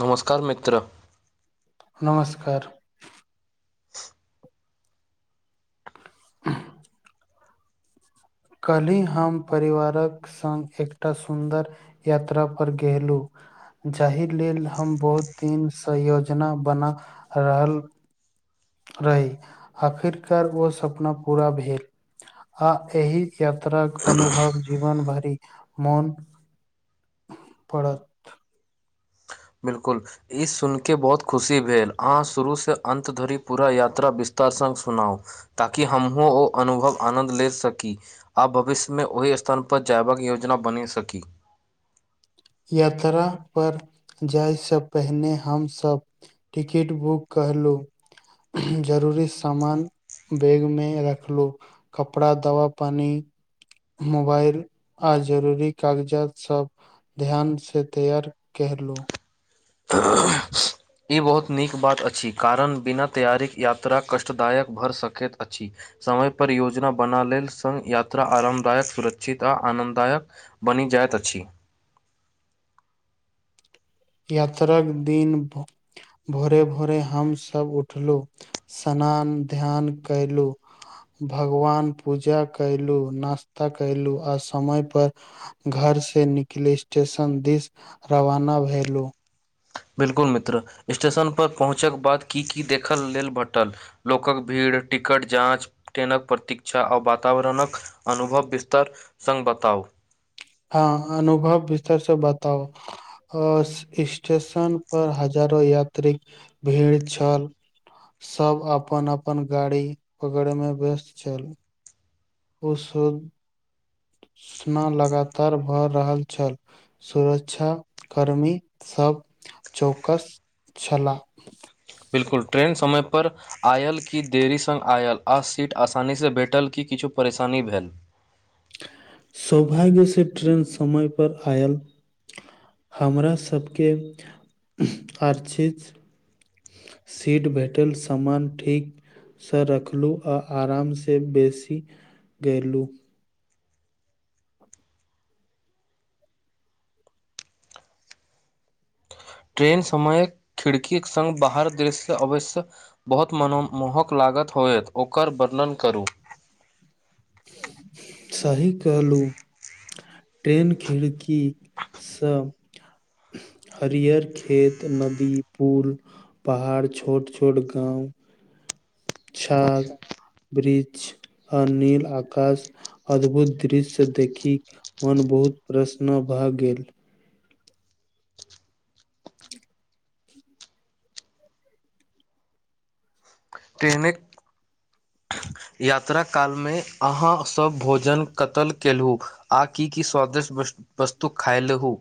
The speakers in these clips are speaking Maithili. नमस्कार मित्र नमस्कार कल्हि हम परिवारक संग एकटा सुन्दर यात्रापर गेलु जाहि लेल हम बहुत दिनसँ योजना बना रहल रही आखिरकार ओ सपना पूरा भेल आ एहि यात्रा क अनुभव जीवन भारी मन पड़त बिलकुल ई सुनि के बहुत खुशी भेल अहाँ शुरूसँ अन्त धरि पूरा यात्रा विस्तार सङ्ग सुनाउ ताकि हमहूँ ओ अनुभव आनन्द ले सकी आ भविष्य मेंओहि स्थानपर जयबाक योजना बनि सकी यात्रा पर जाय से पहिने हमसब टिकट बुक करलहुँ जरूरी सामान बैग में रखलहुँ कपड़ा दवा पानी मोबाईल आ जरूरी कागजातसभ ध्यानसँ तैयार केहरलहुँ ई बहुत नीक बात अछि कारण बिना तैयारीके यात्रा कष्टदायक भरऽ सकैत अछि समय पर योजना बना लेल सङ्ग यात्रा आरामदायक सुरक्षित आ आनन्ददायक बनी जायत अछि यात्राक दिन ब भोरे भोरे हमसब उठलू स्नान ध्यान कयलु भगवान पूजा कयलू नास्ता कयलू आ समय पर घर से निकले स्टेशन दिस रवाना भेलू बिल्कुल मित्र स्टेशनपर पहुँचक बाद की की देखल लेल भेटल लोकक भीड़ टिकट जाँच ट्रेनक प्रतीक्षा आ वातावरणक अनुभव विस्तार सङ्ग बताउ हँ अनुभव विस्तार से बताउ अ स्टेशन पर हजारो यात्री भीड़ छल सब अपन अपन गाड़ी पकड़े मे व्यस्त छल ओ शोना लगातार भ रहल छल सुरक्षा कर्मी सभ चौकस छलाह बिलकुल ट्रेन समयप आयल कि देरी सङ्ग आयल आ सीट आसानीसँ भेटल किी किछु परेशानी भेल सौभाग्य से ट्रेन समय पर आयल हमरा सबके आर चित सीट भेटल सामान ठीक सँ रखलहुँ आ आरामसँ बेसी गेलहुँ ट्रेन समय खिड़कीक सङ्ग बाहर दृशसँ अवश्य बहुत मनोमोहक लागत होयत ओकर वर्णन करू सही कहलू ट्रेन खिड़कीसँ हरिहर खेत नदी पूल पहाड़ छोट छोट गाँव छाग ब्रीज अनिल आकाश अद्भुत दृश्य देखि मन बहुत प्रसन्न भए गेल ट्रेनिक यात्रा कालमे अहाँसब भोजन कतय कयेलहुँ आ की की स्वादिष्ट वस्तु खायल हो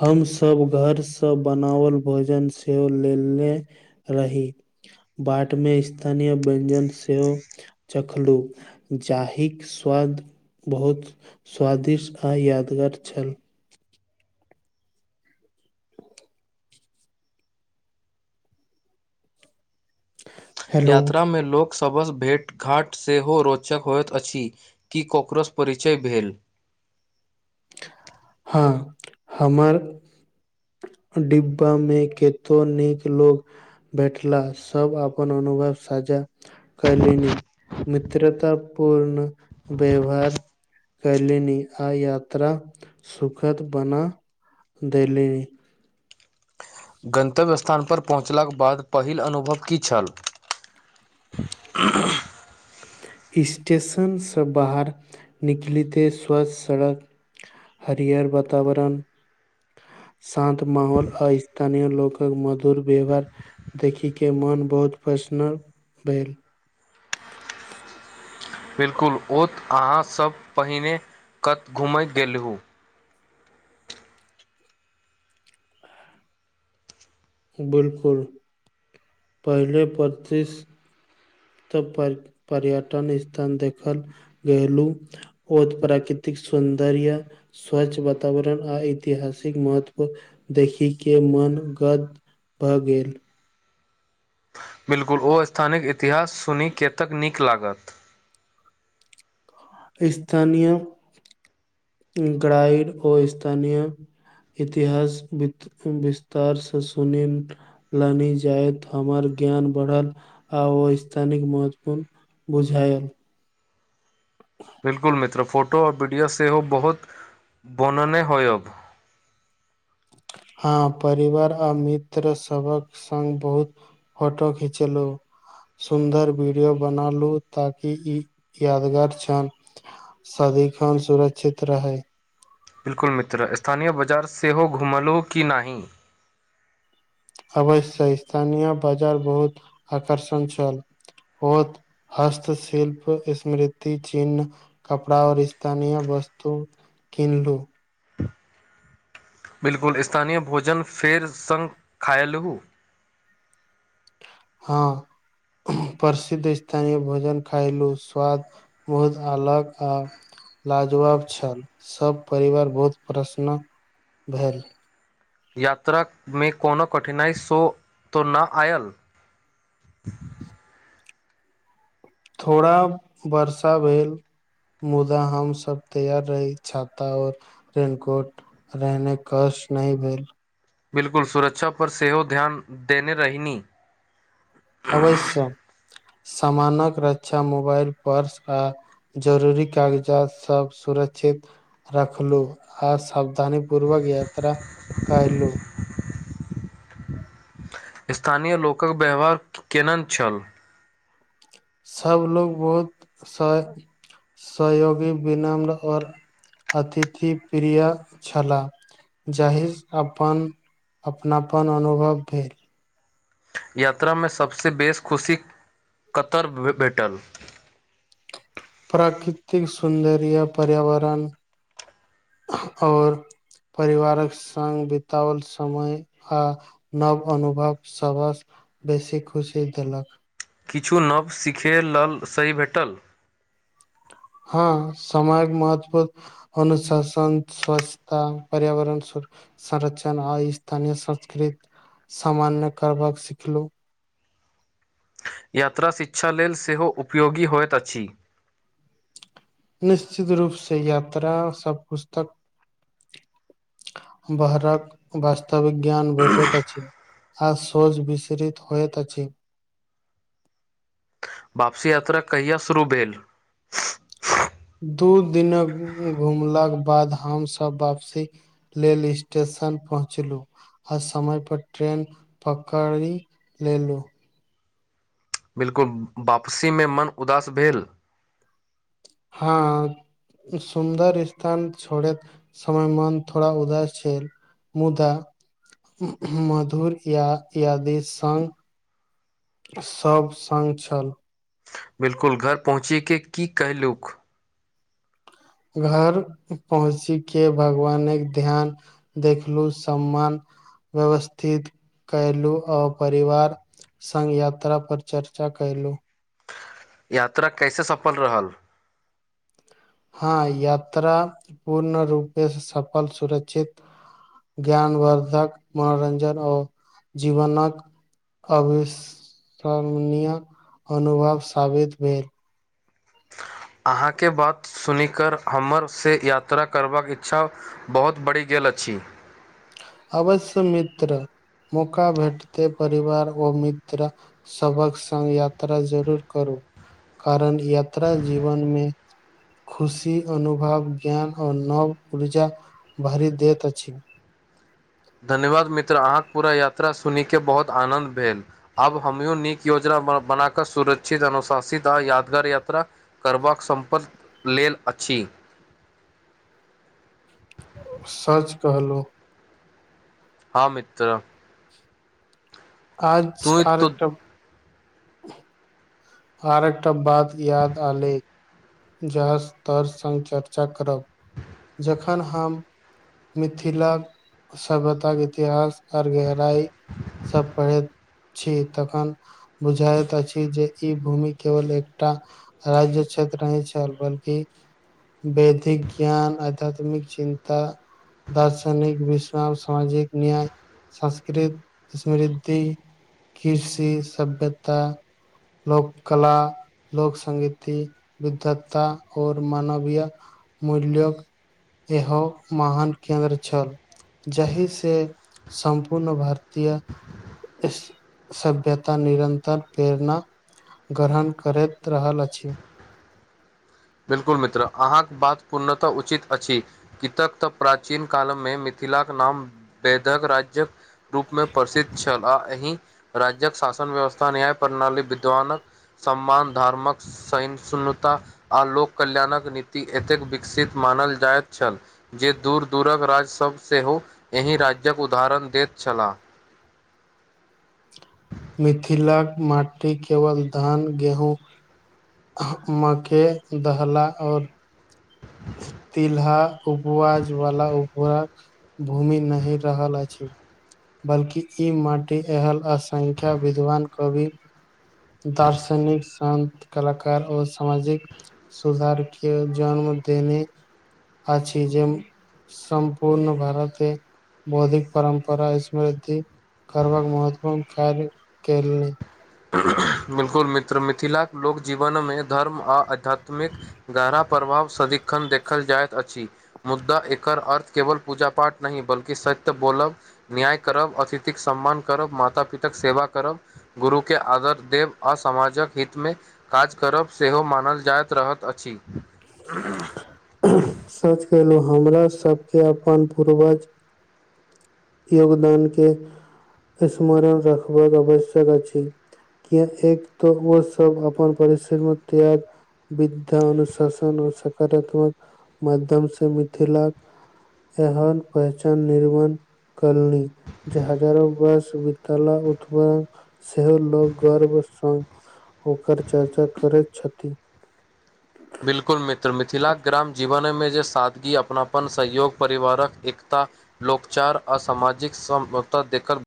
हमसभ घरसँ बनावल भोजन सेहो लेले रही बाट मे स्थानीय व्यञ्जन सेहो चखलू जाहीक स्वाद बहुत स्वादिष्ट आ यादगार छल हेलो यात्रा में लोक सबस भेट घाँट सेहो रोचक होइत अछि कि कॉकरोर्च परिचय भेल हँ हमर डिब्बा में केतो नीक लोग भेटला सभ अपन अनुभव साझा कलनि मित्रता पूर्ण व्यवहार कैलनी आ यात्रा सुखद बना देलनि गन्तव्य स्थानपर पहुँचलाक बाद पहिल अनुभव की छल [unintelligible] स्टेशनसँ बाहर निकलिते स्वच्छ सड़क हरिहर वातावरण शान्त माहौल आ स्थानीय लोकक मधुर व्यवहार देखय के मोन बहुत प्रसन्न भेल बिल्कुल ओतऽ अहाँ सब पहिने कत घुमैत गेलहु बिल्कुल पहिले पच्चीस तब पर पर्यटन स्थल देखल गेलू ओत प्राकृतिक सौन्दर्य स्वच्छ वातावरण आ ऐतिहासिक महत्व देखि के मनगद भऽ गेल बिलकुल ओ स्थानी इतिहास सुनी केतेक नीक लागत स्थानीय ग्राइड ओ स्थानीय इतिहास वित विस्तारसँ सुनन लानि जाय हमर ज्ञान बढ़ल आ ओ स्थानिक महत्वपूर्ण बुझायल बिल्कुल मित्र फोटो आओर वीडियो सेहो बहुत बोनेने होयत अब हँ परिवार आ मित्र सबक संग बहुत फोटो खिचेलू सुन्दर वीडियो बनालू ताकि ई यादगार छनि सदिखन सुरक्षित रहै बिलकुल मित्र स्थानीय बाजार सेहो घुमलो कि नहि अवश्य छै स्थानीय बाजार बहुत आकर्षण छल ओत हस्तशिल्प स्मृति चिन्ह कपड़ा और स्थानीय वस्तु किनलु बिल्कुल स्थानीय भोजन फेर सङ्ग खायलहु हँ प्रसिद्ध स्थानीय भोजन खायलहु स्वाद बहुत अलग आ लाजवाब छल सब परिवार बहुत प्रसनन भेल यात्रामे कोनो कठिनाइ सो त न आयल थोड़ा वर्षा भेल मुदा हम सब तैयार रही छाता और रेन कोट रहने कष्ट नहि भेल बिलकुल सुरक्षा पर सेहो ध्यान देने रहहिनी अवश्य सामानक रक्षा मोबाइल पर्स आ जरूरी कागजात सब सुरक्षित रखलु आ सावधानी पूर्वक यात्रा कलु स्थानीय लोकक व्यवहार केहन छल सब लोग बहुत स सहयोगी विनम्र आओर अतिथि प्रिय छलाह जाहि अपन अपनापन अनुभव भेल यात्रा में सभसँ बेस खुशी कतय भेटल प्राकृतिक सौन्दर्य पर्यावरण और परिवारक संगङग बितओल समय आ नव अनुभव सबस बेसी खुशी देलक किछु नव सिखै लल सही भेटल हँ समाजक महत्त्व अनुशासन स्वशता पर्यावरण संरचण आ स्थानीय संस्कृति सामान्य करबाक सिखलहु यात्रा शिक्षा लेल सेहो उपयोगी होइत अछि निश्चित रूप से यात्रा सबकछ तक बहरक वास्तविक ज्ञान भेटैत अछि आ शोज विस्रित होयत अछि वापसी यात्रा कहिया शुरू भेल दू दिनक घुमलाक बाद हमसभ वापसी लेल स्टेशन पहुँचलहुँ ह समय पर ट्रेन पकड़ि लेलु बिलकुल वापसी में मन उदास भेल हँ सुन्दर स्थान छोड़ैत समय मन थोड़ा उदास छैल मुदा मधुर य याद स सभ सङ्ग छल बिलकुल घर पहुँचे के की कहहिलूक घर पहुँची के भगवान के ध्यान देखलू सम्मान व्यवस्थित कयलू आ परिवार सघ यात्रा पर चर्चा कयलहु यात्रा कैसे सफल रहल हँ यात्रा पूर्ण रूपे सफल सुरक्षित ज्ञानवर्धक मनोरञ्जन आ जीवनक अविश्वरनीय अनुभव साबित भेल आहाँके बात सुनिकऽ हमर से यात्रा करबाक इच्छा बहुत बढ़ि गेल अछि अवश्य मित्र मौका भेटतै परिवार ओ मित्र सबक संग्ग यात्रा जरूर करू कारण यात्रा जीवन में खुशी अनुभव ज्ञान आ नव ऊर्जा भरि देैत अछि धन्यवाद मित्र अहाँके पूरा यात्रा सुन के बहुत आनन्द भेल आब हमो नीक योजना बना क सुरक्षित अनुशासित आ यादगार याता करबाक सम्पति लेल अछि सच कहलो हँ मित्र आज तू आर तो एकटम [unintelligible] आरकटा बाद याद आलै जहस तर सङ्ग चर्चा करब जखन हम मिथिला सभ्यता इतिहास आर गहराई सब पढ़ैत छी तखन बुझाइत अछि जे ई भूमि केवल एकटा राज्य क्षेत्र रहै छल बल्कि वैदिक ज्ञान आध्यत्मिक चिन्ता दार्शनिक विश्राम सामाजिक न्याय संस्कृत समृद्धि कृषि सभ्यता लोक कला लोक संगीति विधता और मानवीय मूल्य एहो महान केन्द्र छल जाहि से सम्पूर्ण भारतीय सभ्यता निरन्तर प्रेरणा ग्रहण करैत रहल अछि बिल्कुल मित्र आहाँक बात पूर्णतः उचित अछि कितक तऽ प्राचीन कालमे मिथिलाक नाम वैदक राज्य रूपमे प्रसिद्ध छल आ एहि राज्यक शासन व्यवस्था न्याय प्रणाली विद्वानक सम्मान धार्मक सैनणता आ लोक कल्याणक नीति एतेक विकसित मानल जाइत छल जे दूर दूरक राज्यसब सेहो एहि राज्यक उदाहरण देत छलाह मिथिलाक माटी केवल धान गेहूँ मक्के दहला और तिलहा उपवाज वाला उरक भूमि नही रहल अछि बल्कि ई माटी अहल असंख्य विद्वान कवि दार्शनिक शांत कलाकार आ सामाजिक सुधार के जन्म देने आछी जे सम्पूर्ण भारत बौद्धिक परम्परा वृद्धि करबाक महत्वपूर्ण कार्य कैरले बिल्कुल मित्र मिथिलाके लोक जीवन मे धर्म आ आध्यत्मिक गहरा प्रभाव सदिखन देखल जाइत अछि मुद्दा एकर अर्थ केवल पूजा पाठ नहि बल्कि सत्य बोलब न्याय करब अतिथिक सम्मान करब माता पिता के सेवा करब गुरु के आदर देव अ सामाजक हितमे काज करब सेहो मानल जाइत रहत अछि सच केलहुँ हमरासब के अपन पूरर्वज योगदान के अस्मरण रखबक आवश्यक अछि ए एक त ओ सब अपन परिश्रम आ त्याग विद्या अनुशासन और सकारात्मक माध्यम से मिथिलाक एहन पहचन निर्माण कलनी जे हजारो वर्ष वितला उत्पाद सेहो लोग गर्व संग ओकर चर्चा करैत छथिन बिल्कुल मित्र मिथिलाके ग्राम जीवनमे जे सादगी अपना सहयोग परिवारक एकता लोकचार आ सामाजिक समता देकर